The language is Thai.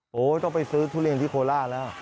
โอ้โหต้องไปซื้อทุเรียนที่โคราชแล้ว